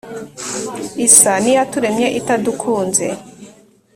Isa niyaturemye itadukunze.